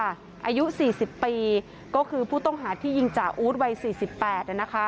อายุสี่สิบปีก็คือผู้ต้องหาที่ยิงจ่าอุ๊ดวัยสี่สิบแปดน่ะนะคะ